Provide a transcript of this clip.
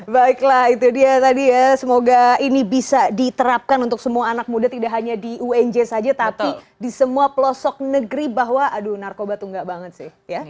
baiklah itu dia tadi ya semoga ini bisa diterapkan untuk semua anak muda tidak hanya di unj saja tapi di semua pelosok negeri bahwa aduh narkoba tunggak banget sih